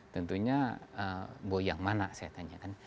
tentunya bui yang mana saya tanya kan